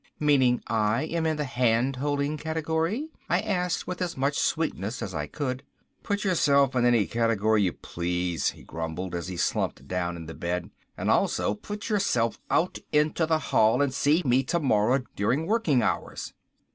"Meaning I am in the hand holding category?" I asked with as much sweetness as I could. "Put yourself in any category you please," he grumbled as he slumped down in the bed. "And also put yourself out into the hall and see me tomorrow during working hours."